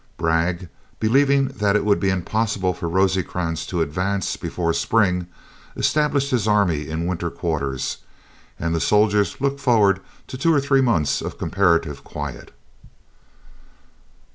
Bragg, believing that it would be impossible for Rosecrans to advance before spring, established his army in winter quarters, and the soldiers looked forward to two or three months of comparative quiet.